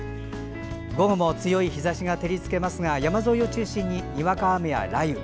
午後も強い日ざしが照り付けますが山沿いを中心ににわか雨や雷雨。